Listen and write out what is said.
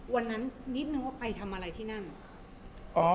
วันนั้นนิดนึงว่าไปทำอะไรที่นั่น